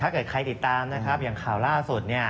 ถ้าเกิดใครติดตามอย่างข่าวล่าสุด